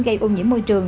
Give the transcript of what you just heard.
gây ô nhiễm môi trường